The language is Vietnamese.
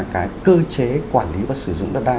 cái cơ chế quản lý và sử dụng đất đai